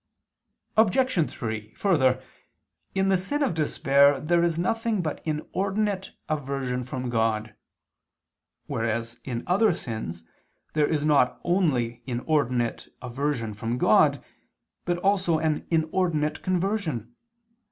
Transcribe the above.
Obj. 3: Further, in the sin of despair there is nothing but inordinate aversion from God: whereas in other sins there is not only inordinate aversion from God, but also an inordinate conversion.